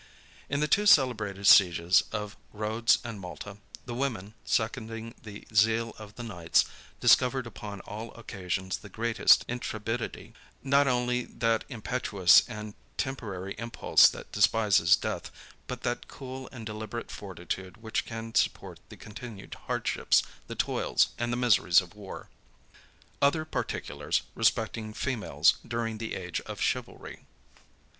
In the two celebrated sieges of Rhodes and Malta, the women, seconding the zeal of the knights, discovered upon all occasions the greatest intrepidity; not only that impetuous and temporary impulse which despises death, but that cool and deliberate fortitude which can support the continued hardships, the toils, and the miseries of war. OTHER PARTICULARS RESPECTING FEMALES DURING THE AGE OF CHIVALRY.